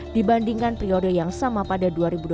dibandingkan periode yang sama pada dua ribu dua puluh